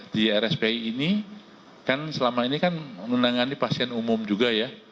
di rspi ini kan selama ini kan menangani pasien umum juga ya